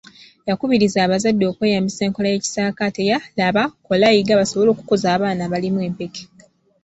Yakubirizza abazadde okweyambisa enkola y’ekisaakaate eya ‘Laba, Kola, Yiga,’ basobole okukuza abaana abalimu empeke.